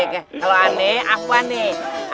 kalau aneh apa nih